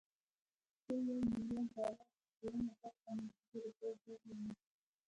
د يو ميليارد ډالرو درېيمه برخه نغدې روپۍ ډېرې وي